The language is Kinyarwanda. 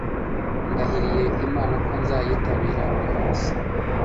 ndahiriye imana ko nzayitabira buri munsi